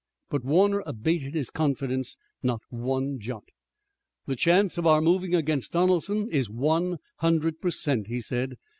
But Warner abated his confidence not one jot. "The chance of our moving against Donelson is one hundred per cent," he said.